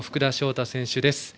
大選手です。